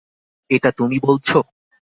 এটা তুমি বলছো।